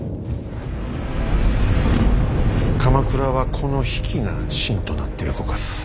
鎌倉はこの比企が芯となって動かす。